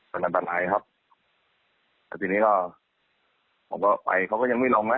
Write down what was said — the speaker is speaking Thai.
ท่านดำลายครับแต่ทีนี้ผมก็ไปเขาก็ยังไม่ลองนะ